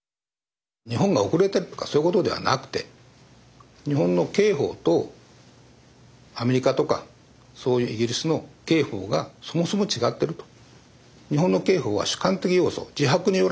日本が遅れてるとかそういうことではなくて日本の刑法とアメリカとかそういうイギリスの刑法がそもそも違ってると。